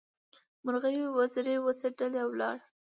مرغۍ وزرې وڅنډلې؛ ولاړه.